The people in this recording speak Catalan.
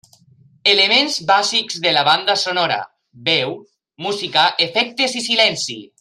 Elements bàsics de la banda sonora: veu, música, efectes i silenci.